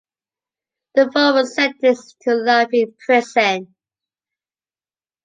The four were sentenced to life in prison.